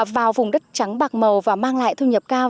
vào vùng đất trắng bạc màu và mang lại thu nhập cao